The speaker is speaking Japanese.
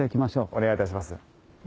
お願いいたします。